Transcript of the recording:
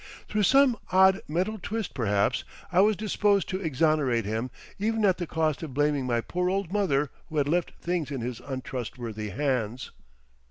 Through some odd mental twist perhaps I was disposed to exonerate him even at the cost of blaming my poor old mother who had left things in his untrustworthy hands.